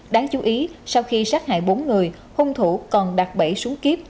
đáng chú ý sau khi sát hại bốn người hung thủ còn đặt bẫy xuống kiếp